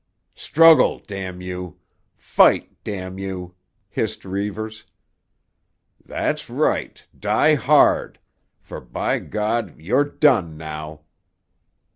"Struggle, —— you! Fight, —— you!" hissed Reivers. "That's right; die hard; for, by ——, you're done now!"